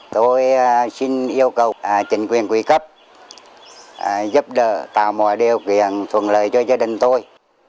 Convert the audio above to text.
tôi xin yêu cầu chính quyền quỹ cấp giúp đỡ tạo mọi điều kiện thuận lợi cho gia đình tôi